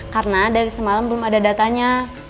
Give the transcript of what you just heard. karena dari semalam belum ada datanya